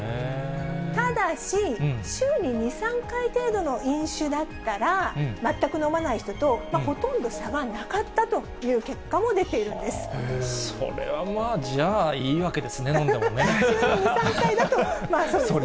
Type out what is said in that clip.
ただし、週に２、３回程度の飲酒だったら、全く飲まない人とほとんど差はなかったという結果も出ているんでそれはまあ、じゃあいいわけ週に２、３回だと、そうですそれぐらいならね。